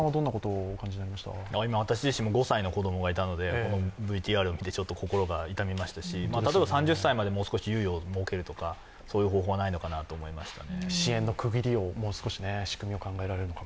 今、私自身も５歳の子供がいたので、ＶＴＲを見てちょっと心が痛みましたし例えば３０歳までもう少し猶予を設けるとか方法がないのかなと思いました。